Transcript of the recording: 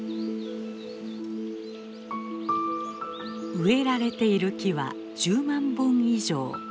植えられている木は１０万本以上。